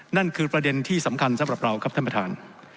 นั่นคือประเด็นที่สำคัญสำหรับเราครับท่านประธาน